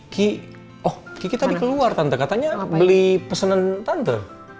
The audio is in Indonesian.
ki oh kiki tadi keluar tante katanya beli pesanan tante